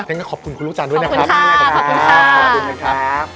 อย่างนั้นขอบคุณครูลูกจานด้วยนะครับมากมายกับคุณครับขอบคุณค่ะขอบคุณครับ